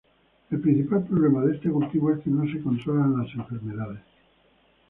El principal problema de este cultivo es que no se controlan las enfermedades.